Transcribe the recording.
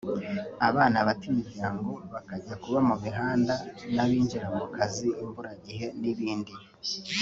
abana bata imiryango bakajya kuba mu mihanda n’abinjira mu kazi imburagihe n’ibindi